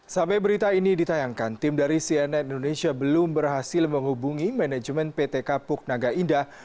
sampai berita ini ditayangkan tim dari cnn indonesia belum berhasil menghubungi manajemen pt kapuk naga indah